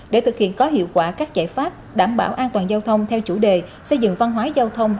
để thực hiện có hiệu quả các giải pháp đảm bảo an toàn giao thông theo chủ đề xây dựng văn hóa giao thông